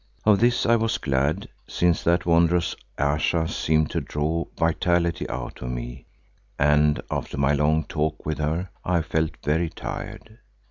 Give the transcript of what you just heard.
Of this I was glad, since that wondrous Ayesha seemed to draw vitality out of me and after my long talk with her I felt very tired.